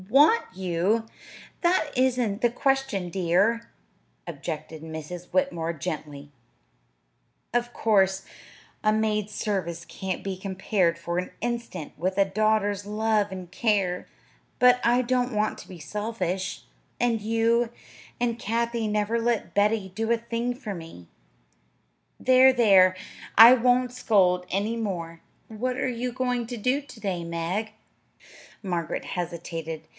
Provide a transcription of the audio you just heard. "Want you! That isn't the question, dear," objected Mrs. Whitmore gently. "Of course, a maid's service can't be compared for an instant with a daughter's love and care; but I don't want to be selfish and you and Kathie never let Betty do a thing for me. There, there! I won't scold any more. What are you going to do to day, Meg?" Margaret hesitated.